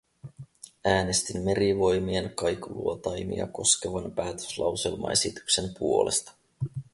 Äänestin merivoimien kaikuluotaimia koskevan päätöslauselmaesityksen puolesta.